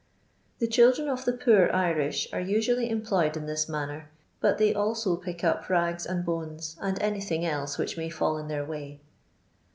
The children of the poor Irish are uinally employed in this manner, but they also pick up rags and bones, and anything elae which may fall in their way.